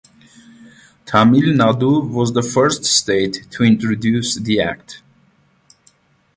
Tamil Nadu was the first state to introduce the act.